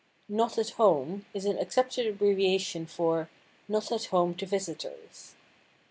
"Not at home" is an accepted abbreviation for "Not at home to visitors."